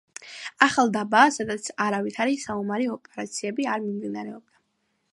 ახალდაბა, სადაც არავითარი საომარი ოპერაციები არ მიმდინარეობდა.